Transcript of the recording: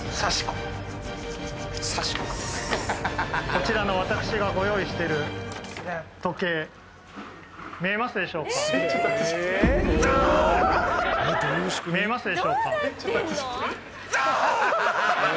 こちらの私がご用意してる時計見えますでしょうか見えますでしょうか